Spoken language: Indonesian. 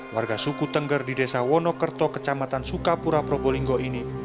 warga suku tengger di desa wonokerto kecamatan sukapura probolinggo ini